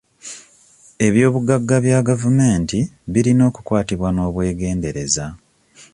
Eby'obugagga bya gavumenti birina okukwatibwa n'obwegendereza.